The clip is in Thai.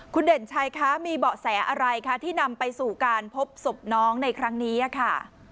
คุณเด่นชัยคะมีเบาะแสอะไรคะที่นำไปสู่การพบศพน้องในครั้งนี้ค่ะ